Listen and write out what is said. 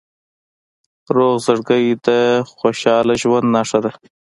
روغ زړګی د خوشحال ژوند نښه ده.